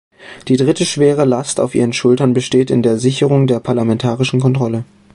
Die dritte schwere Last auf Ihren Schultern besteht in der Sicherung der parlamentarischen Kontrolle.